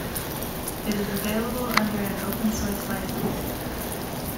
It is available under an open-source license.